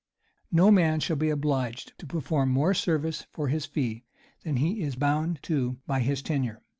No man shall be obliged to perform more service for his fee than he is bound to by his tenure.